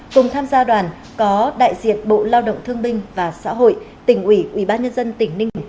cùng tham gia đoàn có đại diện bộ lao động thương binh và xã hội tỉnh ủy ubnd tỉnh ninh